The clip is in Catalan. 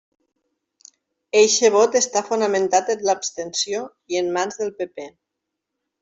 Eixe vot està fonamentalment en l'abstenció i en mans del PP.